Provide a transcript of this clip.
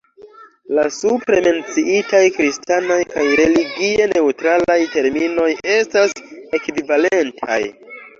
La supre menciitaj kristanaj kaj religie neŭtralaj terminoj estas ekvivalentaj.